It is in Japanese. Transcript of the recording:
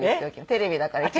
テレビだからね。